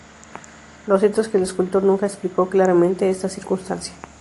Lo cierto es que el escultor nunca explicó claramente esta circunstancia.